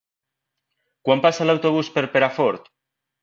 Quan passa l'autobús per Perafort?